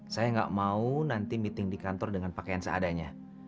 saya nggak mau nanti meeting di kantor dengan pakaian seadanya